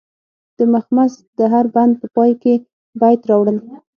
د مخمس د هر بند په پای کې بیت راوړل.